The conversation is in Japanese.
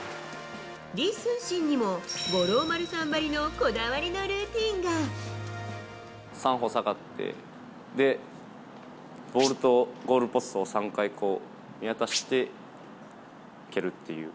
李承信にも五郎丸さんばりのこだ３歩下がって、で、ボールとゴールポストを３回見渡して、蹴るっていう。